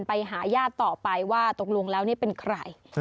ไปหาญาติต่อไปว่าตกลงแล้วนี่เป็นใคร